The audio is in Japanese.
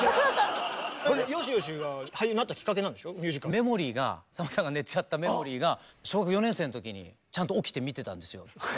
「メモリー」がさんまさんが寝ちゃった「メモリー」が小学４年生の時にちゃんと起きて見てたんですよ。